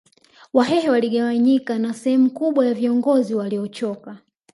Wahehe waligawanyika na sehemu kubwa ya viongozi waliochoka